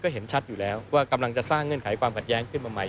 เห็นชัดอยู่แล้วว่ากำลังจะสร้างเงื่อนไขความขัดแย้งขึ้นมาใหม่